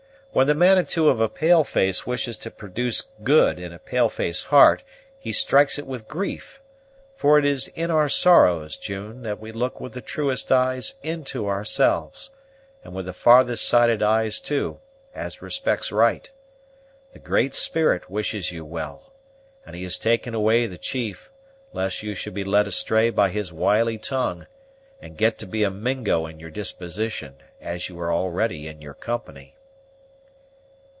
When the Manitou of a pale face wishes to produce good in a pale face heart He strikes it with grief; for it is in our sorrows, June, that we look with the truest eyes into ourselves, and with the farthest sighted eyes too, as respects right. The Great Spirit wishes you well, and He has taken away the chief, lest you should be led astray by his wily tongue, and get to be a Mingo in your disposition, as you were already in your company."